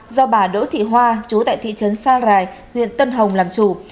do bà đỗ thị hoa chú tại thị trấn sa rài huyện tân hồng làm chủ